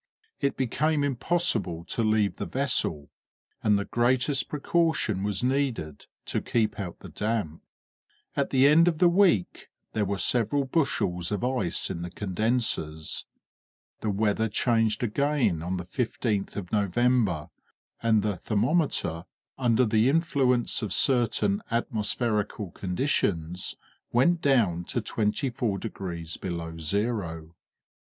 It became impossible to leave the vessel, and the greatest precaution was needed to keep out the damp. At the end of the week there were several bushels of ice in the condensers. The weather changed again on the 15th of November, and the thermometer, under the influence of certain atmospherical conditions, went down to 24 degrees below zero.